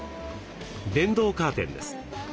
電動カーテンです。